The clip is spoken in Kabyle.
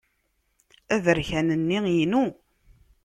Aberkan-nni inu.